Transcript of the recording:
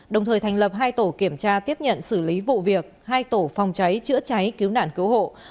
đồng thời thành lập hai tổ kiểm tra tiếp nhận xử lý vụ việc hai tổ phòng cháy chữa cháy cứu nạn cứu hộ